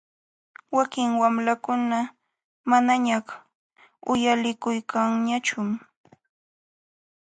Wakin wamlakuna manañaq uyalikulkanñachum.